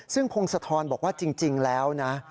ซึ่งพงศธรบอกว่าจริงแล้วนะ